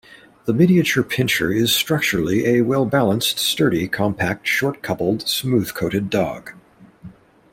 The Miniature Pinscher is structurally a well balanced, sturdy, compact, short-coupled, smooth-coated dog.